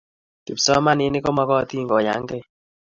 kipsomaninik komokotin kayankei